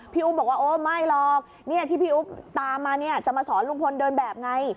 อุ๊บบอกว่าโอ้ไม่หรอกที่พี่อุ๊บตามมาเนี่ยจะมาสอนลุงพลเดินแบบไง